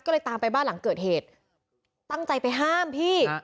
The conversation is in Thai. ก็เลยตามไปบ้านหลังเกิดเหตุตั้งใจไปห้ามพี่